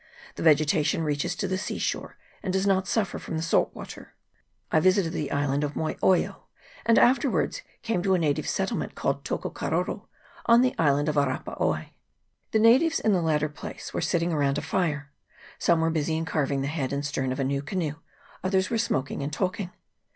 The vegetation reaches to the sea shore, and does not suffer from the salt water. I visited the island of Moioio, and afterwards came to a native settlement called Toko Karoro, on the island of Arapaoa. The natives in the latter place were sitting around a fire ; some were busy in carving the head and stern of a new canoe, others were smoking and talking.